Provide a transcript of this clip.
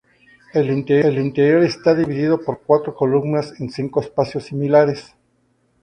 El interior está dividido por cuatro columnas en cinco espacios similares.